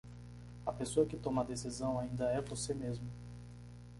A pessoa que toma a decisão ainda é você mesmo